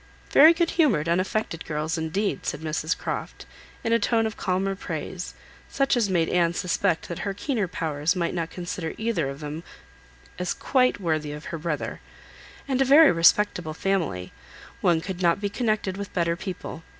"Very good humoured, unaffected girls, indeed," said Mrs Croft, in a tone of calmer praise, such as made Anne suspect that her keener powers might not consider either of them as quite worthy of her brother; "and a very respectable family. One could not be connected with better people.